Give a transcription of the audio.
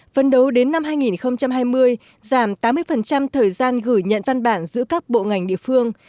phân đấu đến năm hai nghìn hai mươi giảm tám mươi thời gian gửi nhận văn bản giữa các bộ ngành địa phương